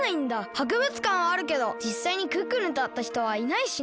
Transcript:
博物館はあるけどじっさいにクックルンとあったひとはいないしね。